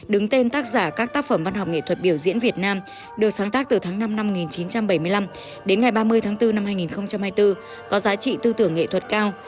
đứng tên tác giả các tác phẩm văn học nghệ thuật biểu diễn việt nam được sáng tác từ tháng năm năm một nghìn chín trăm bảy mươi năm đến ngày ba mươi tháng bốn năm hai nghìn hai mươi bốn có giá trị tư tưởng nghệ thuật cao